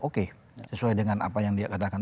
oke sesuai dengan apa yang dia katakan